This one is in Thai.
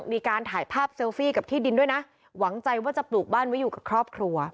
มีการถ่ายภาพเซลฟี่กับที่ดินด้วยนะหวังใจว่าจะปลูกบ้านไว้อยู่กับครอบครัว